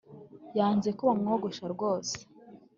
Yanze ko bamwogosha rwose